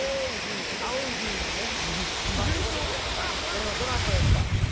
これはどなたですか？